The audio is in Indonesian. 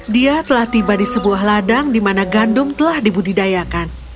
dia telah tiba di sebuah ladang di mana gandum telah dibudidayakan